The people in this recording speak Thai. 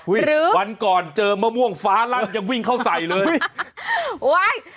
หรือวันก่อนเจอมะม่วงฟ้าลั่นยังวิ่งเข้าใส่เลยโอ้ย